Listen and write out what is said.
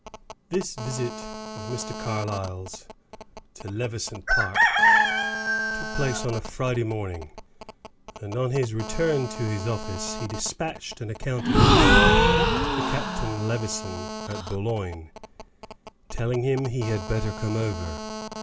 This visit of Mr. Carlyle's to Levison Park took place on a Friday morning, and on his return to his office he dispatched an account of it to Captain Levison at Boulogne, telling him he had better come over.